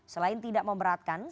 selain tidak memberatkan